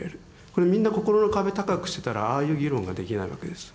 これみんな心の壁高くしてたらああいう議論ができないわけです。